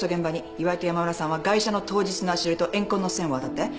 岩井と山村さんはガイ者の当日の足取りと怨恨の線を当たって。